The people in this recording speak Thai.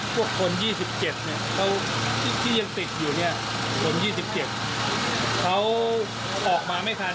พวกคน๒๗ที่ยังติดอยู่เค้าออกมาไม่คัน